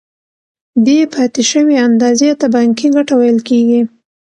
دې پاتې شوې اندازې ته بانکي ګټه ویل کېږي